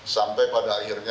sampai pada akhirnya